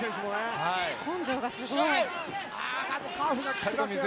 根性がすごい。